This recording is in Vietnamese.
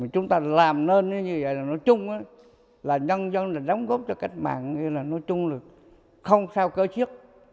chúng ta làm lên như vậy là nói chung là nhân dân đóng góp cho cách mạng nói chung là không sao cơ chiếc